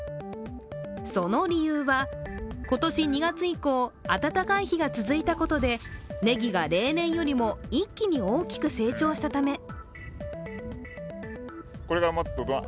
その理由は、今年２月以降、暖かい日が続いたことでねぎが例年よりも一気に大きく成長したため。